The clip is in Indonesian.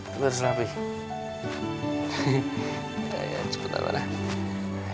nah rehat juga mah